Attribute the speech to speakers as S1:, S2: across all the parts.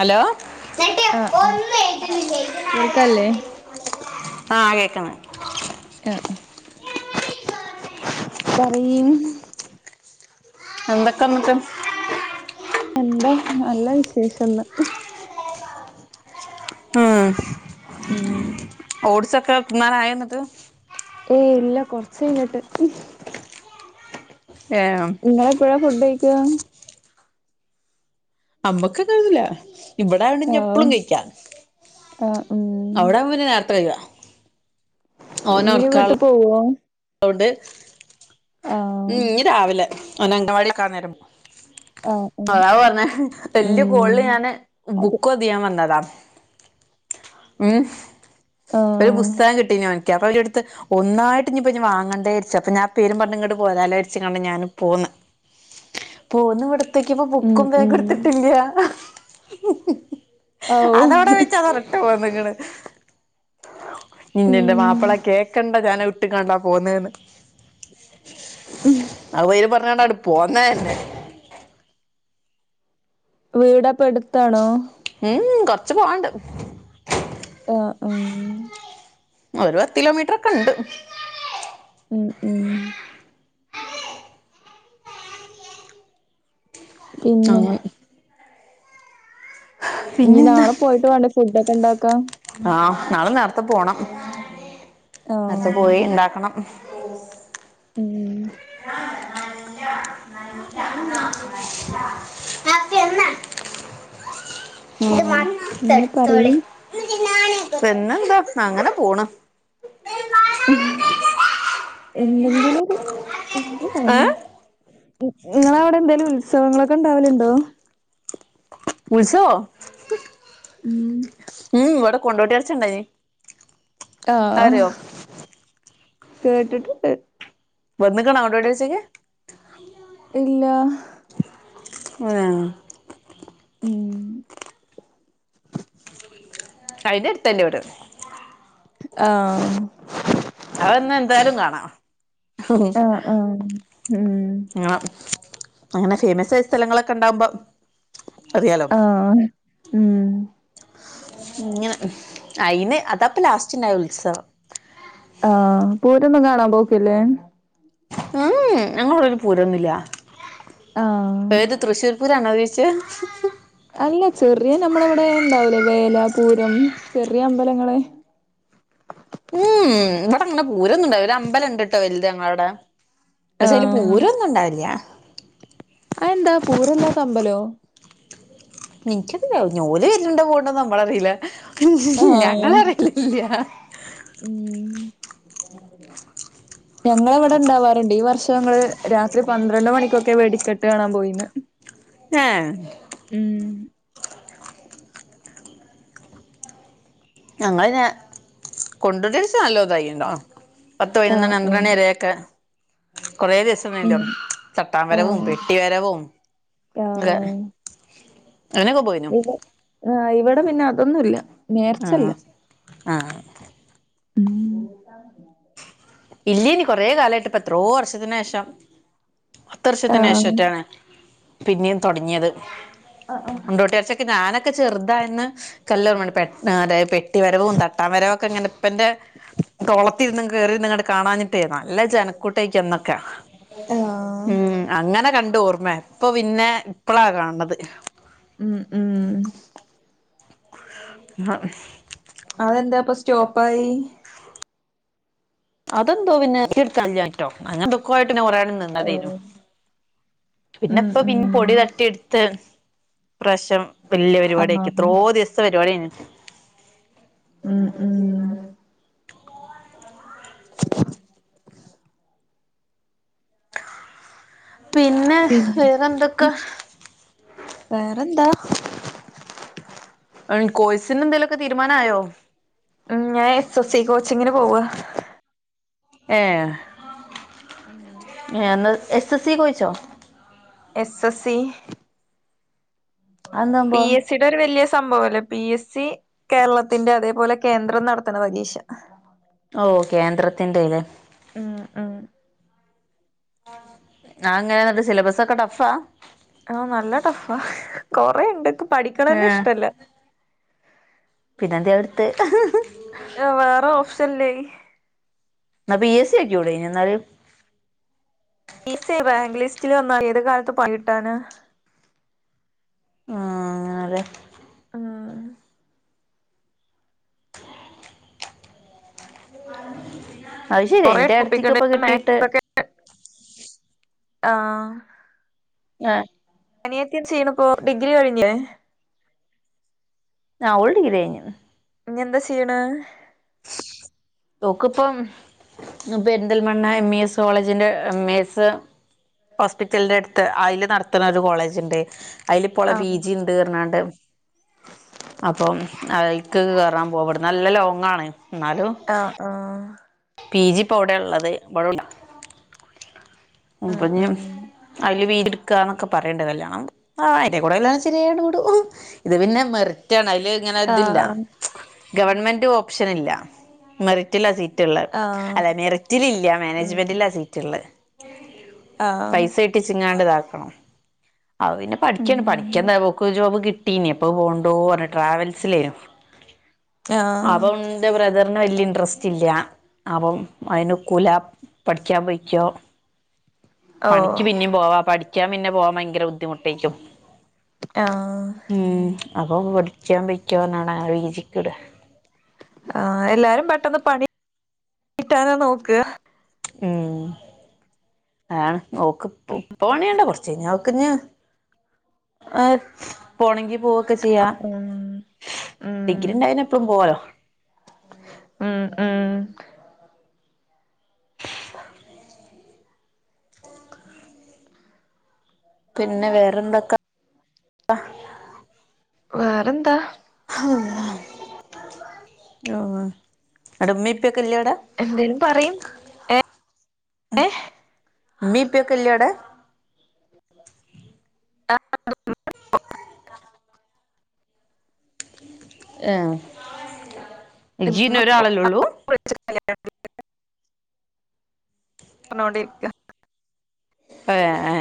S1: Hello
S2: ആഹ് കേൾക്കല്ലേ
S1: ആഹ് കേക്ക്ന്ന്
S2: അ്അ് പറയിം.
S1: എന്തൊക്കന്ന്ട്ട്?
S2: എന്താ നല്ല വിശേഷ്ന്ന്.
S1: ഉം
S2: ഉം
S1: ഓട്സൊക്കെ തിന്നാനായോന്ന്ട്ട്?
S2: ഏയ് ഇല്ല കൊറ്ച്ചഴിഞ്ഞിട്ട്.
S1: ഏ അം
S2: ഇങ്ങളെപ്പഴാ ഫുഡഴിക്ക?
S1: അമ്മക്കങ്ങനൊന്നുല്ല. ഇവിടെ ആയോണ്ട് ഞ്ഞെപ്പളും കഴിക്ക.
S2: അഹ്
S1: അവ്ടാവുമ്പ പിന്നെ നേര്ത്തെ കയ്യ
S2: ഇന്നിനി വീട്ടു പോവോ?
S1: ട്
S2: ആഹ്
S1: ഇഞ്ഞ് രാവിലെ ഓനങ്കവാടിക്കാന്നേരം
S2: ആഹ് ഉം
S1: അതാ പറ്ഞ്ഞെ വെല്ല്യ
S2: ഉം
S1: കോൾല് ഞാന്
S2: അത്
S1: ബുക്കൊ തെയ്യാൻ വന്നതാ ഉം ഒരു
S2: ആഹ്
S1: പുസ്തക കിട്ടീനോൻക്ക് അപന്റ് ട്ത്ത് ഒന്നായിട്ട് ഇഞ്ഞ്പ്ഞ്ഞ് വാങ്ങണ്ടേയ്ര്ച് അപ്പൊഞ്ഞ് ആ പോരും പറഞ്ഞ ഞാന് പോന്ന്. പോന്നു ഇവിടെത്തേക്ക്യപ്പൊ
S2: ഉം
S1: ബുക്കും
S2: ഉം
S1: ബേഗൊടുത്തിട്ടില്ല.
S2: ഔ
S1: അതാവ്ടെ വെച്ച് അതടട്ട് പോന്ന്‌ക്ക്ണ്.
S2: ഉം
S1: ഇഞ്ഞ്ൻന്റമാപ്പള കേക്കണ്ട ഞാനാ ഇട്ട് കാണ്ടാ പോന്നേന്ന്.
S2: ഉം
S1: അപേരുംപറഞ്ഞാണ്ടട് പോന്നന്നെ.
S2: വീടപ്പെടുത്താണോ??
S1: ഉം ഉം കൊറ്ച്ച് പോവാണ്ട്.
S2: ആഹ് ഉം
S1: അ ഒരു പത്ത് കിലോമീറ്റർ ഒക്കെ ഇണ്ട്
S2: ഉം ഉം പിന്നെ
S1: അങ്ങനെ
S2: ഇഞ്
S1: പിന്നെന്താ
S2: നാളെ പോയിട്ട് വേണ്ടേ ഫുഡൊക്കെ ഇണ്ടാക്കാം.
S1: ആഹ് നാളിം നേരത്തെ പോണം ക നേരത്തെ
S2: ആഹ്
S1: പോയി ഇണ്ടാക്കണം.
S2: ഉം. ഉം.
S1: ന [unintelligible]
S2: [inaudible]
S1: ഉം
S2: പിന്നെ പറയ്
S1: പിന്നെന്താ, അങ്ങനെ പോണ്.
S2: ഉം എന്തെങ്കിലൊര് എന്താ
S1: ഏ
S2: പറയാ. ഇങ്ങളവിടെ എന്തേലും ഉത്സവങ്ങളൊക്കെ ഇണ്ടാവല്ണ്ടോ?
S1: ഉത്സവോ?
S2: ഉം.
S1: ഉം ഉം ഇവടെ കൊണ്ടോട്ടി നേർച്ച ണ്ടായിനി.
S2: ആഹ്. കേട്ടിട്ട്ണ്ട്.
S1: വന്ന്ക്ണൊ കൊണ്ടോട്ടി നേർച്ചക്ക്?
S2: ഇല്ലാ.
S1: അന്നെ
S2: ഉം.
S1: അയിന്റെ അട്ത്താ ഇൻ്റെ വീട്.
S2: ആഹ്.
S1: അത് വന്നാ എന്തായാലും കാണാ.
S2: ആഹ് ആഹ് ഉം ഹും.
S1: ഇങ്ങള അങ്ങനെ ഫേമസായ സ്ഥലങ്ങളൊക്കെ ണ്ടാവുമ്പം. അറിയാലോ.
S2: ആഹ് ഉം
S1: ഇങ്ങനെ അയിന് അതാപ്പ ലാസ്റ്റ് ഇണ്ടായ ഉത്സവം.
S2: ആഹ് പൂരൊന്നും കാണാൻ പോക്ക്ല്ലേ?
S1: ഊം ഉം. ഞങ്ങളെ വെടെ അയ്ന് പൂരൊന്നുല്ല്യ.
S2: ആഹ്
S1: ഏത് തൃശ്ശൂർ പൂരാണോ ഉദേഷ്ച്ചെ?
S2: അല്ല ചെറിയ നമ്മളെവടെ ഇണ്ടാവൂലേ വേല പൂരം ചെറിയ അമ്പലങ്ങള്.
S1: ഊംഉം. ഇവടെ അങ്ങനെ പൂരൊന്നും ഇണ്ടാവൽല. ഒര് അമ്പലണ്ട്ട്ടോ വലുത് ഞങ്ങളെ വടെ. പക്ഷേ അയ്ല്
S2: ആഹ്
S1: പൂരൊന്നും ഉണ്ടാവേല്ല്യ.
S2: അതെന്താ പൂരെല്ലാത്ത അമ്പലോ.
S1: നിൻക്കറീലാ. ഇഞോല് വരല്ണ്ടോ പോവ്ണ്ടോന്ന് നമ്മളറീല്ല. ഞങ്ങള
S2: ആഹ്
S1: അറിയലില്ല.
S2: ഉം. ഞങ്ങളെവടെ ഇണ്ടാവാറ്ണ്ട്. ഈ വർഷം ഞങ്ങള് രാത്രി പന്ത്രണ്ട് മണിക്കൊക്കെ വേടിക്കെട്ട് കാണാൻ പോയിന്ന്.
S1: ഏഹ്.
S2: ഉം.
S1: ഞങ്ങളയ്ന് കൊണ്ടോട്ടി നേർച്ച നല്ലോം ഇതായിണ്ടാം. പത്ത് പയിനൊന്നണി
S2: ആഹ്
S1: പന്ത്രണ്ട്
S2: ഉം
S1: മണി വരേയൊക്കെ കുറേ ദിവസം
S2: ഉം
S1: [unintelligible] ചട്ടാൻ വരവും
S2: ആഹ്
S1: പെട്ടി വരവും ഒക്കെ
S2: ആഹ്
S1: അയ്നൊക്കെ പോയിനു.
S2: ഇവ ആഹ് ഇവടെ പിന്നെ അതൊന്നുല്ല. നേർച്ചല്ല.
S1: ആഹ് ആഹ് ഇല്ല്യേനി. കൊറെ കാലായിട്ട് ഇപ്പ എത്രോ വർഷത്തിന് ശേഷം ത്ത് വർഷത്തിന്
S2: ആഹ്
S1: ശേഷറ്റേണ് പിന്നിം തൊടങ്ങിയത്. കൊണ്ടോട്ടി നേർച്ചെ ക്കെ ഞാനൊക്കെ ചെറുതായന്ന് ഇൻകല്ലോർമ്മണ്ട് പെ അതായത് പെട്ടി വരവും തട്ടാൻ വരവും ഒക്കെങ്ങനെ പ്പന്റെ തോളത്തിര്ന്ന് കേറിന്ന്ങ്ങാണ്ട് കാണാഞ്ഞി ട്ടെ നല്ല ജനക്കൂട്ടെയ്ക്കെന്നൊക്കെ.
S2: ആഹ്
S1: ഉം അങ്ങനെ കണ്ട ഓർമ്മെ. ഇപ്പൊ പിന്നെ ഇപ്പളാ കാണ് ണത്.
S2: ഉം. ഉം
S1: മഹ്
S2: അതെന്തേ അപ്പൊ സ്റ്റോപ്പായി
S1: അതെന്തോ പിന്നെ നെറ്റ്ടാല്ലാഞ്ഞ്ട്ടോ അങ്ങനെ എന്തൊക്കോ ആയിട്ട് പിന്നെ കൊറേ നേരം നിന്നതേനു.
S2: ഓഹ് ഉം
S1: പിന്നപ്പം പിൻ
S2: ഉം
S1: പൊടി തട്ടിഇടുത്ത്. ഇപ്രാവശ്യം വെല്ല്യ പരിപാടി ആക്കി.
S2: ആഹ്
S1: എത്രോ ദിവസ്ത്തെ പരിപാട്യേനിം.
S2: ഉം ഉം [unintelligible]
S1: പിന്നെ
S2: പിന്നെ
S1: വേറെന്തൊക്കെ
S2: വേറെന്താ
S1: [unintelligible] കോഴ്സിന് എന്തെലൊക്കെ തീരുമാനം ആയൊ.
S2: ഉം ഞാൻ എസ് എസ് സി കോച്ചിങ്ങിന് പോവ.
S1: ഏഹ്. എ എസ് എസ് സി കൊച്ചോ
S2: എസ് എസ് സി
S1: അത് എന്താ സംഭവം.
S2: ഇതൊരു വെല്യ സംഭവം അല്ലേ. പി എസ് സി കേരളത്തിന്റെ അതേപോലെ കേന്ദ്രം നടത്ത്ണ പരീക്ഷ.
S1: ഓ കേന്ദ്രത്തിന്റെലെ.
S2: ഉം ഉം
S1: അത് എങ്ങനെ ഇന്നട്ട് സിലബസ് ഒക്കെ ടഫാ.
S2: ആഹ് നല്ല ടഫാ. കൊറേണ്ട്
S1: ഏ
S2: ഇക്ക്‌പഠിക്ക്‌ണെന്നെ ഇഷ്ട്ടല്ല.
S1: പിന്നെന്തേയ്‌ അഹ് ഇട്ത്തെഹ്.
S2: ഏഹ് വേറെ ഓപ്ഷൻല്ലേയ്.
S1: ഇന്നാ പി എസ് സി ഓക്ക്യൂടെയ്നൊ ഇന്നാല്.
S2: പി എസി സി റാങ്ക് ലിസ്റ്റിൽ വന്നാ ഏത് കാലത്ത് പണികിട്ടാന.
S1: ആഹ് അങ്ങനെലെ
S2: ഉം
S1: അഹ് ശര്യ.
S2: കൊറേ
S1: ഇന്റെ ഏട്ടത്തിക്ക് ഇപ്പ
S2: ടോപ്പിക്ക്ണ്ട്
S1: കിട്ടീട്ട്.
S2: [unintelligible] ആഹ്
S1: ഞാൻ
S2: അനിയത്തിം ചെയ്ത്പ്പോ ഡിഗ്രി കഴിഞ്ഞിലെ.
S1: ആ ഓൾ ഡിഗ്രി കഴ്ഞ്ഞ്.
S2: ഇഞ്ഞ് എന്താ ചെയ്യ്ണ്.
S1: ഓക്ക്പ്പം പെരിന്തൽമണ്ണ എം ഇ എസ് കോളേജിന്റെ എം ഇ എസ്. ഹോസ്പിറ്റലിന്റെ എട്ത്ത് ഐല് നട്ത്ത്ണെ ഒരു കോളേജ് ഇണ്ട്. ഐല്ഇപ്പോ ഓളെ പി
S2: ആഹ്
S1: ജിം, തീർനാണ്ട് അപ്പം ഐക്ക് കേറാൻ പോകും. ഇവ്ട്ന്ന് നല്ല ലോങ്ങാണ് ഇന്നാലും.
S2: ആഹ് ആഹ്
S1: പി ജി ഇപ്പോ ഔടെ ഇള്ളത്. ഇവെടെ ഇല്ല.
S2: ഉം
S1: അപ്പഞ്ഞ്
S2: ഉം
S1: അയ്ല് വീട് ഇടുക്കാന്നൊക്കെ പറയിണ്ട്. [unintelligible] കല്യാണം ആഹ് അതിന്റെ എടീക്കൂടെ കല്യാണം ശെരിയാ വിടു ഇത് പിന്നെ മെറിറ്റാണ് ഐല്. ഇങ്ങനെ ഇതില്ല.
S2: ആഹ്
S1: ഗവൺമെന്റ് ഒപ്ഷനില്ല. മെറിറ്റിലാ സീറ്റ് ട്ട്ള്ളെ
S2: ആഹ്
S1: അല്ല മെറിറ്റിൽ ഇല്ലാ.
S2: ഉം
S1: മാനേജ്മെന്റില
S2: ഉം
S1: സീറ്റ് ഇള്ളെ.
S2: ആഹ്
S1: പൈസ ഇട്ട് ട്ടിച്ചിങ്ങാണ്ട് ഇതാക്കണം. അത് പിന്നെ പഠിക്കേണ്
S2: ഉം
S1: പഠിക്കണ്ടാ ബുക്ക് ജോബ് കിട്ടീനെഎപ്പൊ പോണ്ടോ പറഞ്ഞ് ട്രാവൽസിലേയ് അ - [unintelligible]
S2: ആഹ്
S1: അവം ഇന്റെ ബ്രദർന് വെല്യാ ഇൻട്രസ്റ്റില്ലാ അവം അയ്നൊക്കൂല. പഠിക്കാൻ പൊയ്ക്കോ
S2: ഓ
S1: പണിക്ക് പിനേം പോവാം പഠി ക്കാൻ പിനെ പോവാൻ ഭയങ്കര ബുദ്ധിമുട്ടേക്കും.
S2: ആഹ
S1: ഉം അപ്പം പഠിക്കാൻ പൊയ്ക്കോന്നാണ് അവനെ പി ജി ക്ക്‌ വിടെ.
S2: ആഹ് എല്ലാരും പെട്ടന്ന് പണി കിട്ടാനാ ന്നോക്കാ
S1: ഉം ആഹ് നോക്കും ഇപ്പ പണിയ്ണ്ട് കൊറച്ച് ഇഞ് അവക്കിഞ്. ഏഹ് പോണെങ്കി പോവൊക്കെ ചെയ്യാ
S2: ഉം ഉം
S1: ഡിഗ്രിഇണ്ടായാ എപ്പോഴും പോവാലോ.
S2: ആഹ് ആഹ്
S1: പിനെ വേറെന്തൊക്ക.
S2: വേറെന്താ?
S1: ഹള്ള ഉവ്വ അവ്ടെ ഉമ്മേം ഉപ്പെക്കെ ഇല്ലവടെ.
S2: എന്തേലും പറയും. എ ഹ്
S1: ഉമ്മി ഉപ്പി ഒക്കെ ഇല്ലേ അവടെ. ഏഹ് ഇയ്യ് ഇനി ഒരാളെല്ലൊള്ളൂ.
S2: [unintelligible] പറഞ്ഞോണ്ടേ ഇരിക്കാ
S1: അതെ എ ഹെ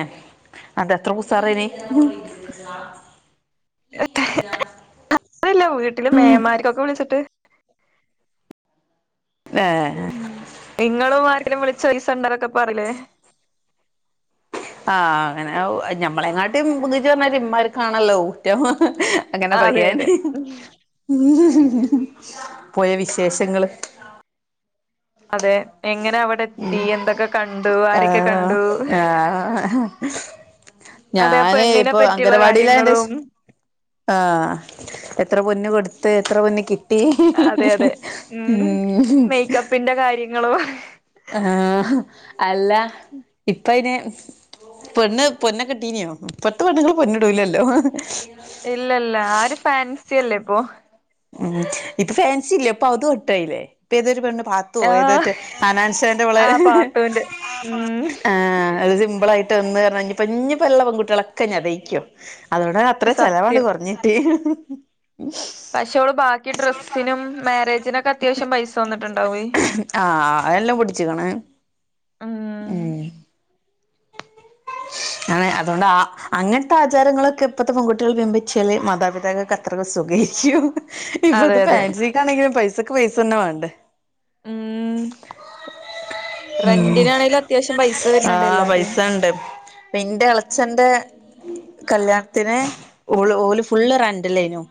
S1: അതെത്ര ഉഷാറയ്നി എന്ത്‌ന്നാ
S2: [inaudible] വീട്ടില് മേമാര്ക്കൊക്കെ വിളിച്ചിട്ട്.
S1: വരാനാ
S2: ഇങ്ങളും ആരെങ്കിലും വിളിച്ച പൈസ എണ്ടരൊക്കെ പറയിലെ
S1: ആഹ് അങ്ങനെ ഔ ഞമ്മളെങ്ങാട്ടിം ബുദ്ധി ഇത്മാതിരി ഇമ്മാര് കാണല്ലോ ഊറ്റം ഹ് ഹ് ഹ്. അങ്ങനെ
S2: അതെ
S1: പറയാന്
S2: അതെ
S1: ഹ് പോയ വിശേഷങ്ങള്.
S2: അതെ എങ്ങനെ അവടെത്തി എന്തൊക്കെ കണ്ടു ആരൊക്കെ കണ്ടു.
S1: ആഹ ഹാ ഹാ
S2: അതെ ആ
S1: ഞാന്
S2: പെണ്ണിനെ
S1: ഇപ്പൊ
S2: പറ്റിയുള്ള
S1: അംഗനവാടിയിലാ യേന്റെഷം
S2: കാര്യങ്ങളും
S1: ആഹ് എത്ര പൊന്ന് കൊടുത്ത് എത്ര പൊന്ന് കി- ട്ടി ഹ് ഹ്
S2: അതെ
S1: ഹ്
S2: അതെ
S1: ഉം
S2: മേക്കപ്പിന്റെ കാര്യങ്ങളും
S1: എഹാ ഹ് അല്ല ഇപ്പയ്ന് പെണ്ണ് പൊനൊക്കിട്ടീനിയോ ഇപ്പൾത്തെ പെണ്ണുങ്ങള് പൊന്നിടൂലല്ലോ അ ഹ്
S2: ഇല്ലില്ല അവര് ഫാൻസി അല്ലെ ഇപ്പോ
S1: ഉം ഇപ്പൊ ഫാൻസി ഇല്ല ഇപ്പ അതും ഔട്ടായിലെ ഇപ്പെതൊരു പെണ്ണ് പാ- ത്തു ഏ
S2: ആഹ്
S1: തോറ്റെ ഹനാൻഷന്റെ ഓള്
S2: ആ
S1: ഹ് ഹ്
S2: പാത്തുന്റെ ഉം
S1: ആ അത് സിമ്പിളായി ട്ടെർന്ന് ന്നർഞ്ഞിപ്പം ഇഞ്ഞിപ്പ ഇള്ള പെൺകുട്ടികളൊക്കെ ഇനി അതായ്ക്കും അതോടെ എത്ര ചെലവാണ്ട്
S2: സത്യം
S1: കൊറഞ്ഞ് കിട്ടിയെ.
S2: പക്ഷെ ഓള് ബാക്കി ഡ്രസ്സിനും മാരേജിനൊക്കെ അത്യാവശ്യം പൈസ വന്നിട്ടുണ്ടാവേ
S1: ആഹ് അതെല്ലാം പൊടിച്ചിക്ക്‌ണ്. ഉം അങ്ങനെ അതോണ്ടാ ഹ്- അങ്ങനത്തെ ആചാരങ്ങളൊക്കെ ഇപ്പഴത്തെ പെൺകുട്ടികൾ ബംബിച്ചാല് മാതാപിതാക്കൾക്ക് അത്രക്ക്‌ സുഖം ആയിരിക്കും ഇപ്പ
S2: അതെ
S1: ഇത്
S2: അതെ
S1: ഫാൻസിക്ക് ആണെങ്കിലും പൈസക്ക് പൈസ തന്നെ വേണ്ടേ.
S2: ഉം റെന്റിനാണെങ്കിലും അത്യാവശ്യം പൈസ വരുന്നുണ്ട് എല്ലാതും.
S1: ഇണ്ട് പ്പിന്റെ എളച്ചന്റെ കല്യാണത്തിന് ഓള് ഓല് ഫുള്ള് റെന്റൽ ഏനു.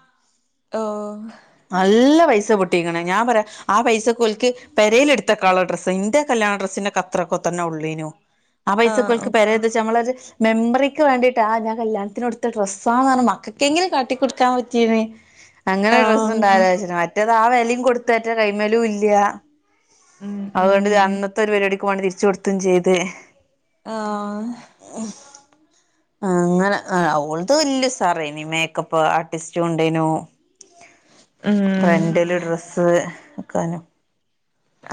S2: ഓഹ്.
S1: നല്ല പൈസ പൊട്ടിക്ണ്. ഞാൻ പറയാ ആ പൈസക്ക് ഓല്ക്ക് പെരേല് ഇട്ത്ത കളർ ഡ്രസ്സ്, ഇന്റെ കല്യാണ ഡ്രസ്സിന്റൊക്ക ത്രക്കൊ തന്നെ ഉള്ളെനു. ആ പൈസക്ക് ഓൽക്ക്
S2: ആഹ്
S1: പെരേ ഇത് വച്ച് നമ്മളൊര് മെമ്മറിക്ക് വേണ്ടിട്ട് ആഹ് ഞാൻ കല്യാണത്തിന് ഉടുത്ത ഡ്രസ്സാന്ന് പറഞ്ഞ് മക്കക്കെങ്കിലും കാട്ടിക്കൊടുക്കാൻ പറ്റീനി. അങ്ങനെ ഡ്രസ്സ്
S2: ആഹ്
S1: ഉണ്ടാവല്ലോ വെച്ചിട്ട്. മറ്റേത് ആ വെലീം കൊട്ത്തേറ്റൊ കൈമെലൂല്ല.
S2: ഉം ഉം
S1: അതോണ്ട് അന്നത്തെ ഒരു പരിപാടിക്കും മാണ്ടി തിരിച്ച് കൊടുത്തും ചെയ്ത്.
S2: ആഹ്
S1: ആഹ് അങ്ങനെ ഓൾത് വല്ല്യ ഉസാറേനി മേക്കപ്പ് ആർട്ടിസ്റ്റു ഉണ്ടേനു.
S2: ഉം
S1: റെന്റൽ ഡ്രസ്സ് ഒക്കാനു.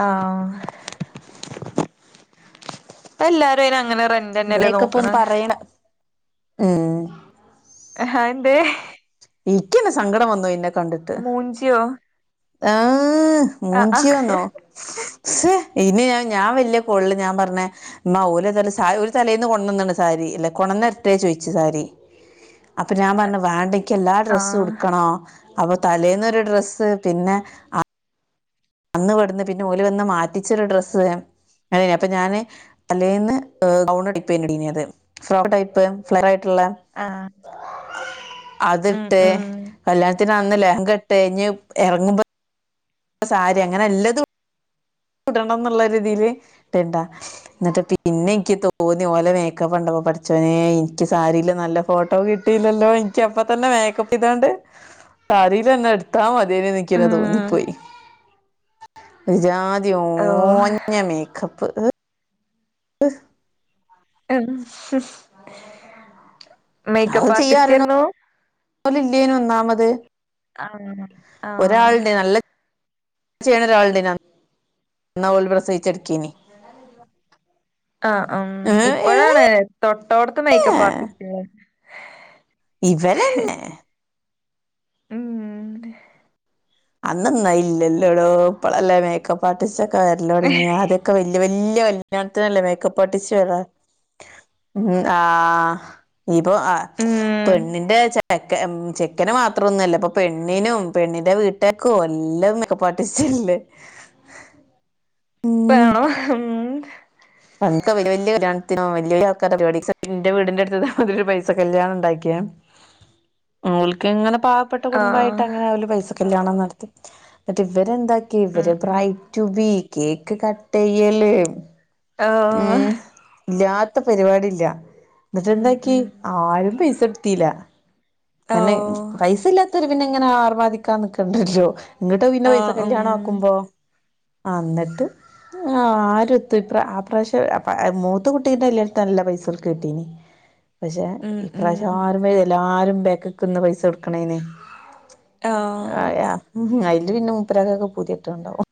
S2: ആഹ്. ഇപ്പെല്ലാരും അയ്നങ്ങനെ റെ
S1: മേക്കപ്പൊന്ന് പറയ്ണ ഉം
S2: അഹെന്തേ.
S1: ഇയ്ക്ക്യെന്നെ സങ്കടം വന്നോയി ഇന്നെ കണ്ടിട്ട്
S2: മൂഞ്ചിയോ
S1: ആഹ്
S2: ആഹ് ആഹ്
S1: മൂഞ്ചിയോന്നോ, സ്സ് ഇനി ഞാൻ ഞാൻ വല്യ കോള്ളില് ഞാൻ പറഞ്ഞ് ഇമ്മാ ഓലേതാലും സാരി ഓര് തലേന്ന് കൊണ്ടന്നണ് സാരി, അല്ലെ കൊണ്ടന്നരട്ടേന്ന് ചോയിച്ച് സാരി. അപ്പ ഞാൻ പറഞ്ഞ് വേണ്ട ഇക്ക്യ് എല്ലാ
S2: ആഹ്
S1: ഡ്രസ്സുംട്ക്കണം. ആഹ്. അപ്പ തലേന്ന് ഒരു ഡ്രസ്സ്‌ പിന്നെ അന്ന് ഇവട്ന്ന് പിന്നെ ഓല് വന്ന് മാറ്റിച്ചൊരു ഡ്രസ്സ്, അങ്ങെനേനി. അപ്പം ഞാന് തലേന്ന് ഗൗൺ ടൈപ്പ് ഇട്ടേന്യത് ഫ്രോക്ക് ടൈപ്പ് ഫ്ലയറായിട്ടുള്ള.
S2: ആഹ്. ഉം
S1: അതിട്ട്
S2: ഉം
S1: കല്യാണത്തിനന്ന് ലെഹങ്ക ഇട്ട്, ഇഞ്ഞ് എറങ്ങുമ്പോ സാരി അങ്ങനെല്ലതും ഇടണംന്നുള്ള രീതിൽ ഇട്ട്ണ്ടാ. എന്നിട്ട് പിന്നെ ഇൻക്ക്യ് തോന്നി ഓലെ മേക്കപ്പ് കണ്ടപ്പം പഠച്ചോനെ ഇൻക്ക്യ് സാരീല് നല്ലം ഫോട്ടോ കിട്ടീല്ലല്ലോ. ഇൻക്ക്യ് അപ്പ തന്നെ മേക്കപ്പ് ചെയ്താണ്ട് സാരീലെന്നെ ഇട്ത്താ മതിയേനിന്ന് ഇക്ക്യെന്നെ
S2: ഉം
S1: തോന്നിപ്പോയി. ഒര് ജാതി
S2: ഓഹ്
S1: ഓഞ്ഞ മേക്കപ്പ്. അഹ്
S2: മേക്കപ്പ് ആർട്ടിസ്റ്റേര്ന്നൂ?
S1: ഓലില്ലേന്നു ഒന്നാമത്.
S2: ആഹ് ആഹ്
S1: ഒരാൾണ്ടേനു നല്ല ചെയ്യ്ണൊരാള്ണ്ടേനു. അന്നാ ഓല് പ്രസവിച്ചട്
S2: ആഹ് അം
S1: ഏ,
S2: ഇപ്പോഴാണ് തൊട്ടോട്ത്ത്
S1: ഏ,
S2: മേക്കപ്പ് ആർട്ടിസ്റ്റേൾ.
S1: ഇവലെന്നെ.
S2: ഉം
S1: അന്നന്നൊ അതില്ലല്ലോടോ ഇപ്പളല്ലേ മേക്കപ്പ് ആർട്ടിസ്റ്റോക്കെ വരല് തൊടങ്ങിയെ. ആദ്യൊ ക്ക് വല്യ വല്യ കല്യാണത്തിനല്ലേ മേക്കപ്പ് ആർട്ടിസ്റ്റ് വെരാ. മ് ആഹ് ഇപ്പോ അ
S2: ഉം
S1: പെണ്ണിന്റെ ചെ ക്കെ മ്മ്ഹ് ചെക്കന് മാത്രം ഒന്നും അല്ല ഇപ്പം പെണ്ണിനും പെണ്ണിന്റെ വീ ട്ടാരക്കും എല്ലം മേക്കപ്പ് ആർട്ടിസ്റ്റല്ലേ.
S2: ഇപ്പഴാണോ ഹ്മ്മ്
S1: അന്നൊക്കെ വല്ല്യ വല്ല്യ കല്യാൺത്തിനൊ വല്ല്യ വല്ല്യ ആൾക്കാരെ പരിപാടി, ഇപ്പ ഇൻ്റെ വീടിൻ്റെ അട്ത്ത് ഇതേമാതിരി ഒര് പൈസ കല്യാണം ഇണ്ടാക്ക്യേ. ഓൽക്കിങ്ങനെ പാവ പ്പെട്ട
S2: ആഹ്
S1: കുടുംബായിട്ടങ്ങനെ ഓല് പൈസ കല്യാണം നടത്തി. ന്നിട്ട് ഇവരെന്താ
S2: ഉം
S1: ഇവര്
S2: ഉം
S1: bride to be. Cake cut ചെയ്യല്.
S2: ആഹ്
S1: ഉം. ഇല്ലാത്ത പരിപാടിയില്ല.
S2: ഉം
S1: ഇന്നെട്ടെന്താക്കി.
S2: ഉം
S1: ആരും പൈസകൊടുത്തീല. കാര് ണെ
S2: ഓഹ്
S1: പൈസ ഇല്ലാത്ത പിന്നെ ഇങ്ങനെ ആർമാദിക്കാൻ നിക്കണ്ടല്ലോ. ഇങ്ങട്ട് പിന്നെ പൈസ
S2: ആഹ് ഉം
S1: കല്യാണ ആക്കുമ്പം അ ഇന്നട്ട് ആ ആരൊത്തിപ്ര പഷേ അ മൂത്ത കുട്ടീന്റെ കല്യാൺത്തിക് നല്ല പൈസൊല്ക്ക് കിട്ടീനി. പക്ഷെ
S2: ഉം
S1: ഇപ്രാവശ്യം
S2: ഉം
S1: ആരു വ എല്ലാരും ബേക്ക്ക്ക്ന്ന് പൈസ കൊടുക്കണേന്.
S2: ആഹ്
S1: ആ അതില് പിന്നെ മുപ്പരക്കാക്ക് പൂത്യട്ടീണ്ടാവും.